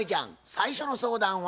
最初の相談は？